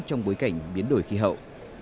trong bối cảnh biến đổi khí hậu